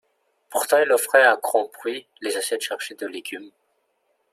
Pourtant il offrait à grand bruit les assiettes chargées de légumes.